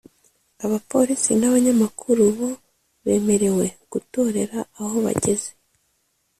abapolisi n’abanyamakuru bo bemerewe gutorera aho bageze